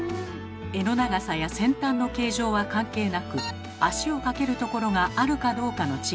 柄の長さや先端の形状は関係なく足をかけるところがあるかどうかの違いです。